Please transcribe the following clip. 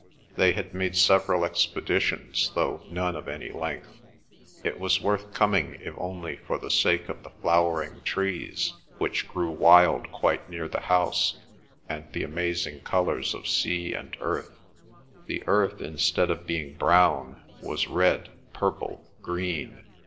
They had made several expeditions though none of any length. It was worth coming if only for the sake of the flowering trees which grew wild quite near the house, and the amazing colours of sea and earth. The earth, instead of being brown, was red, purple, green.